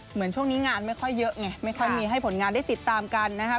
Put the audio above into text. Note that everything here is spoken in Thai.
เหมือนช่วงนี้งานไม่ค่อยเยอะไงไม่ค่อยมีให้ผลงานได้ติดตามกันนะครับ